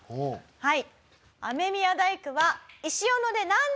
はい。